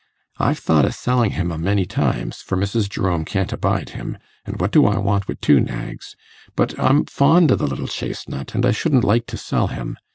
I've thought o' sellin' him a many times, for Mrs. Jerome can't abide him; and what do I want wi' two nags? But I'm fond o' the little chacenut, an' I shouldn't like to sell him.